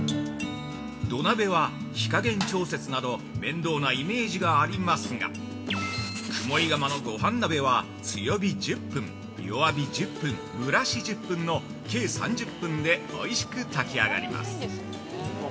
◆土鍋は、火加減調節など面倒なイメージがありますが雲井窯のごはん鍋は強火１０分、弱火１０分、蒸らし１０分の計３０分でおいしく炊き上がります。